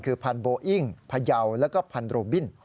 คือพันธุ์โบอิ้งพะเยาแล้วก็พันธุ์โรบิน